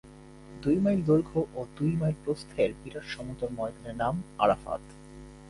দুই মাইল দৈর্ঘ্য ও দুই মাইল প্রস্থের বিরাট সমতল ময়দানের নাম আরাফাত।